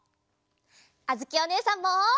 あづきおねえさんも！